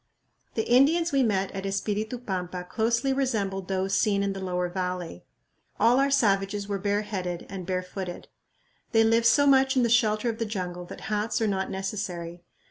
The Indians we met at Espiritu Pampa closely resembled those seen in the lower valley. All our savages were bareheaded and barefooted. They live so much in the shelter of the jungle that hats are not necessary.